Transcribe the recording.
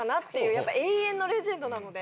やっぱ永遠のレジェンドなので。